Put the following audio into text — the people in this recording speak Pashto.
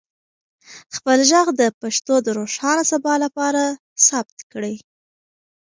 خپل ږغ د پښتو د روښانه سبا لپاره ثبت کړئ.